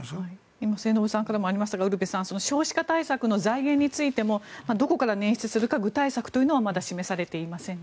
今、末延さんからもありましたが少子化対策の財源についてもどこから捻出するのかまだ具体策は示されていませんね。